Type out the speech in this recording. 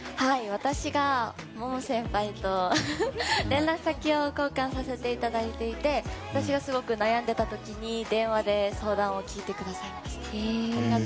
私がＭＯＭＯ先輩と連絡先を交換させていただいていて私がすごく悩んでいた時に電話で相談を聞いてくださいました。